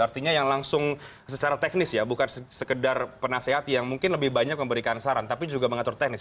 artinya yang langsung secara teknis ya bukan sekedar penasehat yang mungkin lebih banyak memberikan saran tapi juga mengatur teknis